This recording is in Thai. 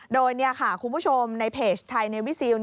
โดยคุณผู้ชมในเพจไทยในวิซิล